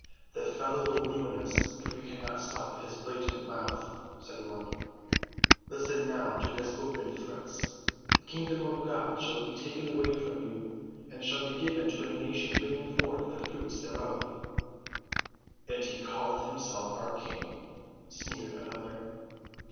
"The fellow will ruin us if we cannot stop his blatant mouth," said one. "Listen now to his open threats: 'The kingdom of God shall be taken away from you, and shall be given to a nation bringing forth the fruits thereof.'" "And he calleth himself our King," sneered another.